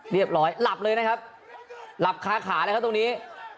เรียบร้อยหลับเลยนะครับหลับขาเลยค่ะตรงนี้